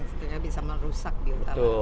potasium yang bisa merusak di utara